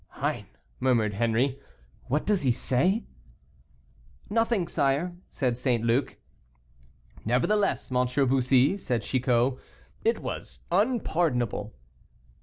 "Hein," murmured Henri, "what does he say?" "Nothing, sire," said St. Luc. "Nevertheless, M. Bussy," said Chicot; "it was unpardonable."